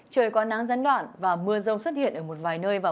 trời có nắng dẫn đoạn và mưa râu xuất hiện ở một vài nơi